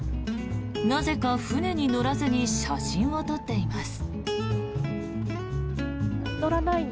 なぜか船に乗らずに写真を撮っています。